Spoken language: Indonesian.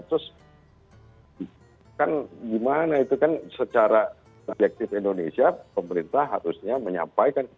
terus kan gimana itu kan secara objektif indonesia pemerintah harusnya menyampaikan